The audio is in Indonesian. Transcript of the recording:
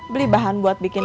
beli bahan buat bikin